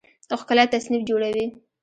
ښکلی تصنیف جوړوي